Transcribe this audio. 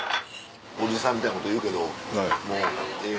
おじさんみたいなこと言うけどもうええ